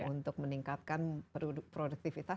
untuk meningkatkan produktivitas